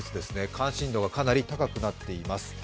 関心度がかなり高くなっています。